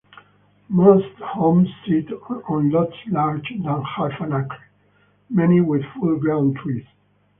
Most homes sit on lots larger than half an acre, many with full-grown trees.